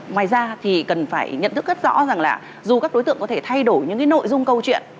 ngoài ra thì cần phải nhận thức rất rõ rằng là dù các đối tượng có thể thay đổi những nội dung câu chuyện